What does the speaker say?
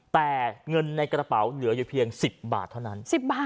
แต่เงินในกระเป๋าเหลืออยู่เพียง๑๐บาทเท่านั้น